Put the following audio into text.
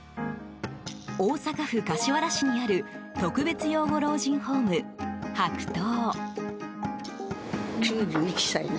大阪府柏原市にある特別養護老人ホーム、はくとう。